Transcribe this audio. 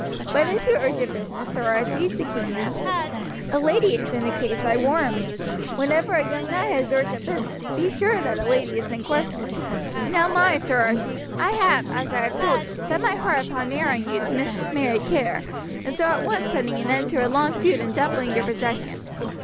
"What is your urgent business, Sir Archie?" the king asked. "A lady is in the case, I warrant me. Whenever a young knight has urgent business, be sure that a lady is in question. Now mind, Sir Archie, I have, as I have told you, set my heart upon marrying you to Mistress Mary Kerr, and so at once putting an end to a long feud and doubling your possessions.